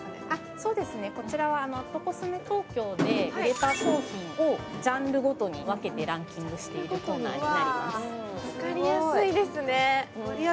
そうですねこちらは＠ｃｏｓｍｅＴＯＫＹＯで売れた商品をジャンルごとに分けてランキングしているコーナーになりますわかりやすいですね